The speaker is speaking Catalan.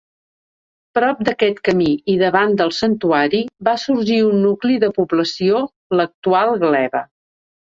Prop d'aquest camí, i davant del Santuari, va sorgir un nucli de població, l'actual Gleva.